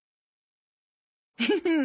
フフフッ。